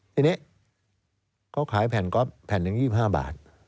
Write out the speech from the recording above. ทีนี้เขาขายแผ่นก๊อฟแผ่นหนึ่ง๒๕บาท